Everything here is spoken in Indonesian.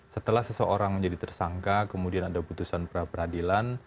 setelah seseorang menjadi tersangka kemudian ada putusan pra peradilan